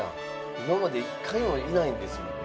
今まで一回もいないんですもんね。